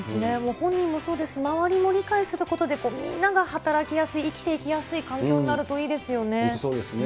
本人もそうですし、周りも理解することでみんなが働きやすい、生きていきやすい本当そうですね。